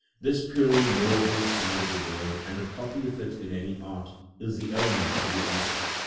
This purely knowable side of the world, and the copy of it in any art, is the element of the artist.